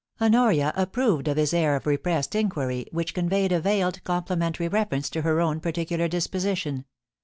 * Honoria approved of his air of repressed inquiry, which conveyed a veiled complimentary reference to her own par ticular disposition.